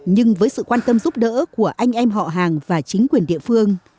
nhưng với sự quan tâm giúp đỡ của anh em họ hàng và chính quyền địa phương